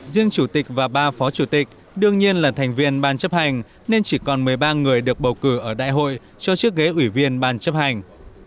riêng chủ tịch và ba phó chủ tịch đương nhiên là thành viên ban chấp hành nên chỉ còn một mươi ba người được bầu cử ở đại hội cho chiếc ghế ủy viên ban chấp hành